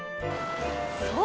そう。